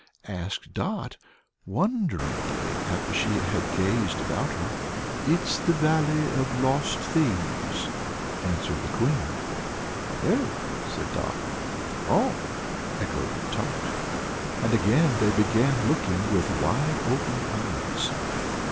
asked Dot, wonderingly, after she had gazed about her. "It is the Valley of Lost Things," answered the Queen. "Oh!" said Dot. "Oh!" echoed Tot. And again they began looking with wide open eyes.